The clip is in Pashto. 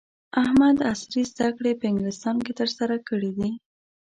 احمد عصري زده کړې په انګلستان کې ترسره کړې دي.